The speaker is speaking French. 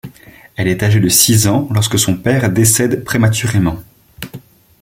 Elle est âgée de six ans lorsque son père décède prématurément.